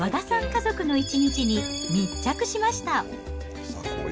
家族の１日に密着しました。